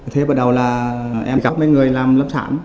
thế bắt đầu là em gặp mấy người làm lớp sản